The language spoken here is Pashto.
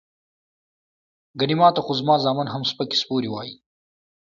ګني ماته خو زما زامن هم سپکې سپورې وائي" ـ